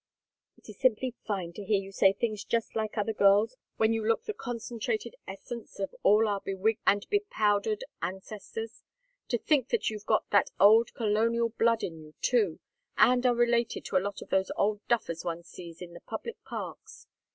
"It is simply fine to hear you say things just like other girls, when you look the concentrated essence of all our bewigged and bepowdered ancestors. To think that you've got that old colonial blood in you too, and are related to a lot of those old duffers one sees in the public parks.